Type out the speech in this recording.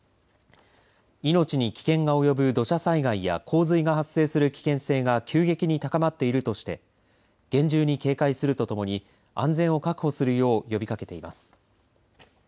命に危険が及ぶ土砂災害や洪水が発生する危険性が急激に高まっているとして厳重に警戒するとともに安全を確保するよう呼びかけています。